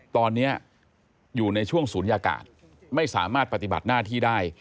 ตอนนี้อยู่ในช่วงศูนยากาศไม่สามารถปฏิบัติหน้าที่ได้